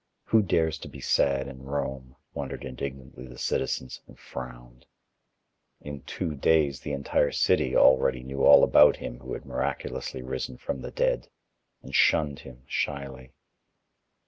Who dares to be sad in Rome, wondered indignantly the citizens, and frowned. In two days the entire city already knew all about him who had miraculously risen from the dead, and shunned him shyly.